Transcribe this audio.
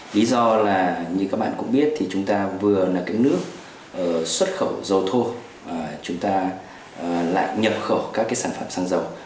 lý do là như các bạn cũng biết thì chúng ta vừa là cái nước xuất khẩu dầu thô chúng ta lại nhập khẩu các cái sản phẩm xăng dầu